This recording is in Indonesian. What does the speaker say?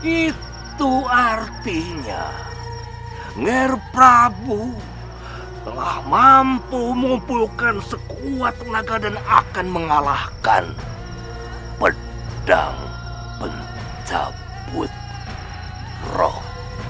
itu artinya nger prabu telah mampu mengumpulkan sekuat tenaga dan akan mengalahkan pedang pencabut roh